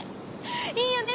いいよね